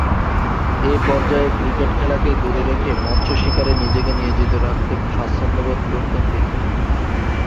এ পর্যায়ে ক্রিকেট খেলাকে দূরে রেখে মৎস্য শিকারে নিজেকে নিয়োজিত রাখতে স্বাচ্ছন্দ্যবোধ করতেন তিনি।